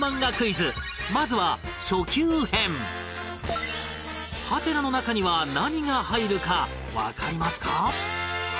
まずは、初級編ハテナの中には何が入るかわかりますか？